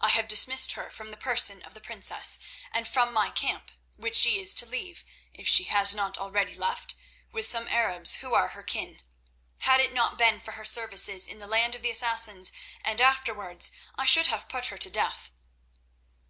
I have dismissed her from the person of the princess and from my camp, which she is to leave—if she has not already left—with some Arabs who are her kin. Had it not been for her services in the land of the Assassins and afterwards, I should have put her to death."